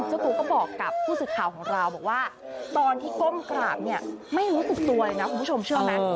เจ้าตัวก็บอกกับผู้สื่อข่าวของเราบอกว่าตอนที่ก้มกราบเนี่ยไม่รู้สึกตัวเลยนะคุณผู้ชมเชื่อไหม